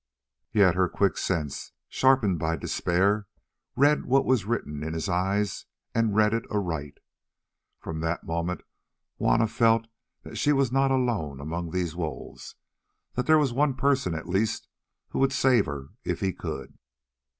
Yet her quick sense, sharpened by despair, read what was written in his eyes, and read it aright. From that moment Juanna felt that she was not alone among these wolves, that there was one person at least who would save her if he could.